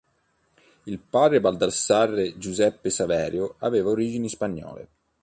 Il padre, Baldassare Giuseppe Saverio, aveva origini spagnole.